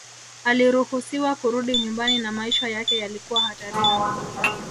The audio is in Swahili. Aliruhusiwa kurudi nyumbani na maisha yake yalikuwa hatarini